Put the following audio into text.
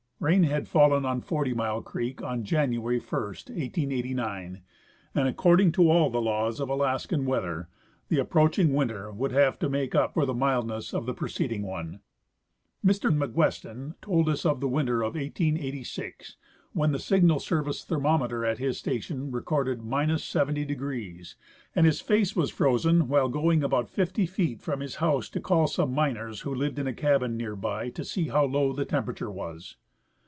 Rain had fallen on Forty Mile creek on January 1, 1889, .and, according .to all the laAVS of Alaskan weather, the approaching winter would have to make up for the mildness of the preceding one. Mr McGuesten told us of the Avinter of 1886, when the signal service thermometer at his station recorded — 70°, and his face Avas frozen while going about fifty feet from his house to call some miners who lived in a cabin near by to see hoAV low the temperature Avas.